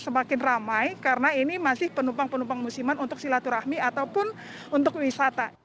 semakin ramai karena ini masih penumpang penumpang musiman untuk silaturahmi ataupun untuk wisata